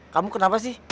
kamu kenapa sih